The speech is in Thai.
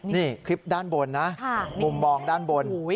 นี่คลิปด้านบนนะมุมมองด้านบน